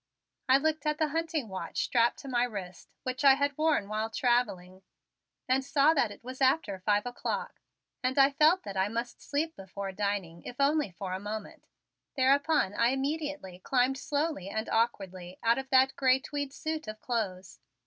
I looked at the hunting watch strapped to my wrist, which I had worn while traveling, and saw that it was after five o'clock, and I felt that I must sleep before dining, if for only a moment. Thereupon I immediately climbed slowly and awkwardly out of that gray tweed suit of clothes.